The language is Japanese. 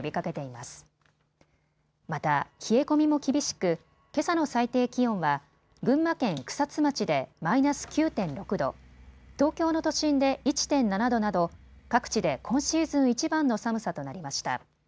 また冷え込みも厳しく、けさの最低気温は群馬県草津町でマイナス９．６度、東京の都心で１．７度など各地で今シーズンいちばんの寒さとなりました。